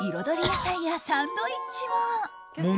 野菜やサンドイッチも。